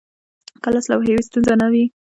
که لس لوحې وي، ستونزه نه وي.